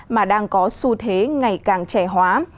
mà đang có xu thế ngày càng trẻ hóa